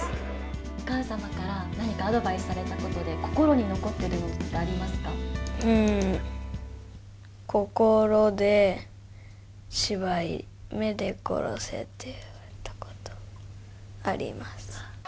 お母様から何かアドバイスされたことで、心に残っているものはあ心で芝居、目で殺せって言われたことがあります。